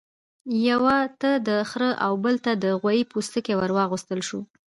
یوه ته د خرۀ او بل ته د غوايي پوستکی ورواغوستل شو.